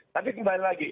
tapi kembali lagi